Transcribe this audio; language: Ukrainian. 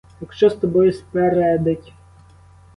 Якщо з тобою спередить: